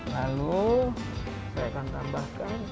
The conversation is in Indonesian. lalu saya akan tambahkan